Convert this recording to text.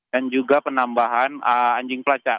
dan juga penambahan anjing pelacak